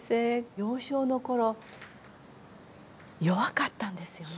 幼少の頃弱かったんですよね。